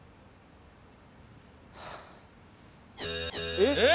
えっ？